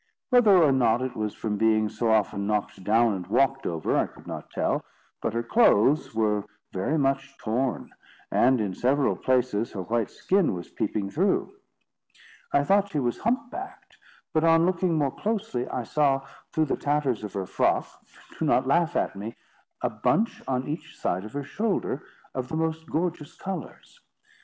Whether or not it was from being so often knocked down and walked over, I could not tell, but her clothes were very much torn, and in several places her white skin was peeping through. I thought she was hump backed; but on looking more closely, I saw, through the tatters of her frock—do not laugh at me—a bunch on each shoulder, of the most gorgeous colours.